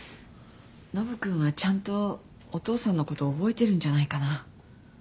ノブ君はちゃんとお父さんのこと覚えてるんじゃないかな。